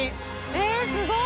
えっすごい！